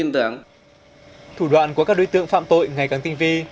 thủ đoạn của các đối tượng phạm tội ngày càng tinh vi